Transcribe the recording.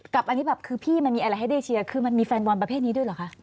อันนี้แบบคือพี่มันมีอะไรให้ได้เชียร์คือมันมีแฟนบอลประเภทนี้ด้วยเหรอคะ